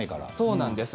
そうなんです。